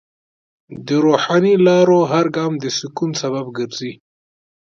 د روحاني لارو هر ګام د سکون سبب ګرځي.